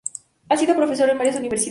Ha sido profesor en varias universidades.